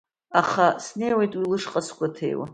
Аха снеиуеит уи лышҟа сгәаҭеиуа…